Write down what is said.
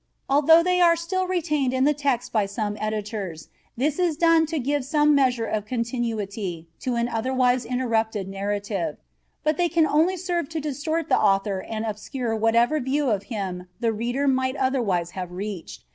Although they are still retained in the text by some editors, this is done to give some measure of continuity to an otherwise interrupted narrative, but they can only serve to distort the author and obscure whatever view of him the reader might otherwise have reached.